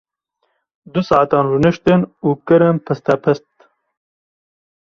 Du saetan rûniştin û kirin pistepit.